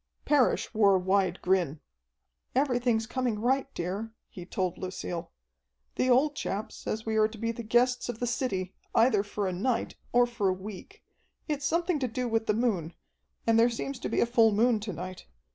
Parrish wore a wide grin. "Everything's coming right, dear," he told Lucille. "The old chap says we are to be the guests of the city either for a night or for a week. It's something to do with the moon, and there seems to be a full moon to night.